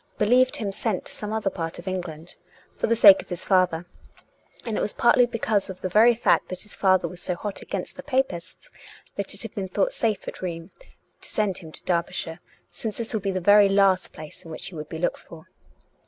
believed him sent to some other part of England, for the sake of his father, and it was partly because of the very fact that his father was so hot against the Papists that it had been thought safe at Rheims to send him to Derby shire, since this would be the very last place in which he would be looked for.